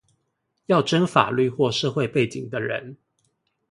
要徵法律或社會背景的人